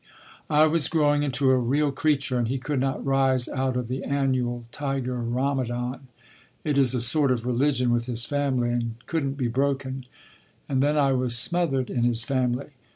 I was growing into a real creature and he could not rise out of the annual tiger rhamadan. It is a sort of religion with his family—and couldn’t be broken. And then I was smothered in his family.